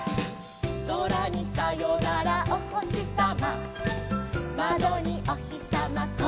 「そらにさよならおほしさま」「まどにおひさまこんにちは」